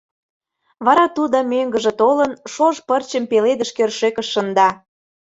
Вара тудо, мӧҥгыжӧ толын, шож пырчым пеледыш кӧршӧкыш шында.